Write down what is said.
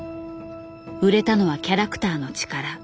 売れたのはキャラクターの力。